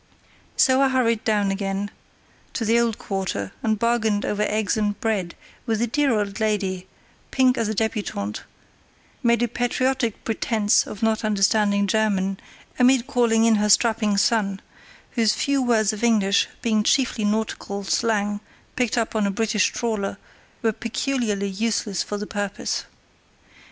So I hurried down again to the old quarter and bargained over eggs and bread with a dear old lady, pink as a débutante, made a patriotic pretence of not understanding German, and called in her strapping son, whose few words of English, being chiefly nautical slang picked up on a British trawler, were peculiarly useless for the purpose.